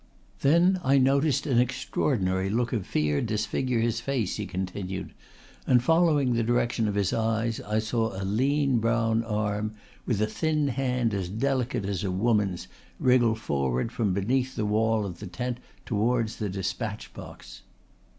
"Then I noticed an extraordinary look of fear disfigure his face," he continued, "and following the direction of his eyes I saw a lean brown arm with a thin hand as delicate as a woman's wriggle forward from beneath the wall of the tent towards the despatch box."